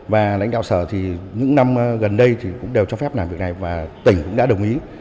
và lãnh đạo sở thì những năm gần đây thì cũng đều cho phép làm việc này và tỉnh cũng đã đồng ý